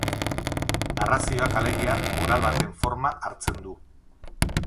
Narrazioak alegia moral baten forma hartzen du.